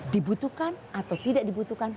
dibutuhkan atau tidak dibutuhkan